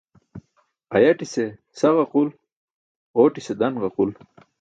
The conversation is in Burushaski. Ayatise sa ġaqul, ootise dan-ġaqul.